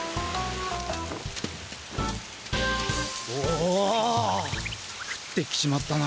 おっふってきちまったな。